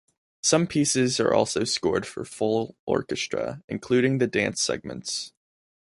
Some pieces are also scored for full orchestra, including the dance segments.